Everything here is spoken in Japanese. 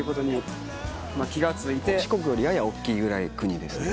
四国よりやや大っきいぐらいの国です。